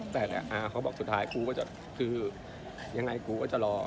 แต่อาบอกสุดท้ายคือยังไงกูก็จะรอ